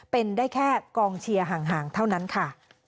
เป็นได้แค่กองเชียร์ห่างเท่านั้นค่ะ